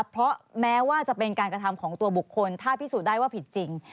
เพราะแม้ว่าจะเป็นการกระทำของตัวบุคคลถ้าพิสูจน์ได้ว่าผิดจริง